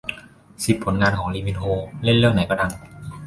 สิบ ผลงานของ ลีมินโฮ เล่นเรื่องไหนก็ดัง